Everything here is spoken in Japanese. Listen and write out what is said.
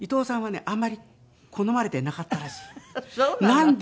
「なんで？